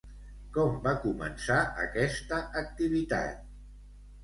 Com va començar aquesta activitat?